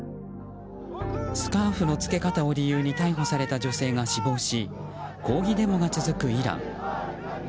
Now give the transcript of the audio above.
スカーフの着け方を理由に逮捕された女性が死亡し抗議デモが続くイラン。